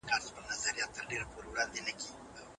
که درسونه لنډ او واضح وي، ستړیا زیاته نه سي.